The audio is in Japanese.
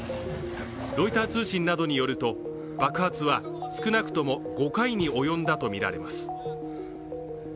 ロイター通信などによると爆発は少なくとも５回に及んだとみられます。